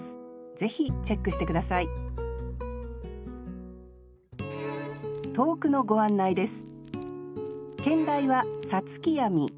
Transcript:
ぜひチェックして下さい投句のご案内です